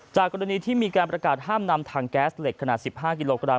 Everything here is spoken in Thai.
กรณีที่มีการประกาศห้ามนำถังแก๊สเหล็กขนาด๑๕กิโลกรัม